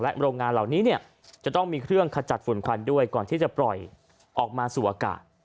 โรงงานเหล่านี้เนี่ยจะต้องมีเครื่องขจัดฝุ่นควันด้วยก่อนที่จะปล่อยออกมาสู่อากาศ